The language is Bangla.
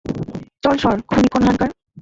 চল সর, খুনী কোনহানকার।